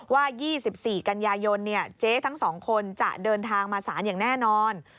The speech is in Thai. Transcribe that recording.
ว่า๒๔กันยายนเจ๊ทั้ง๒คนจะเดินทางมาศาลอย่างแน่นอน